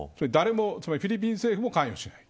フィリピン政府も関与しない。